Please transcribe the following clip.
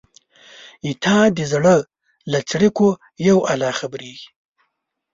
ستا د زړه له څړیکو یو الله خبریږي